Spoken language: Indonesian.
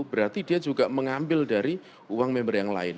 berarti dia juga mengambil dari uang member yang lain